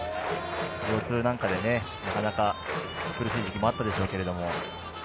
腰痛なんかで、なかなか苦しい時期もあったでしょうけど。